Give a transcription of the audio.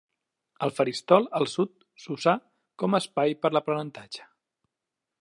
El faristol al sud s'usa com espai per l'aprenentatge.